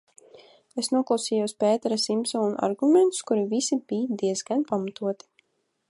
Es noklausījos Pētera Simsona argumentus, kuri visi bija diezgan pamatoti.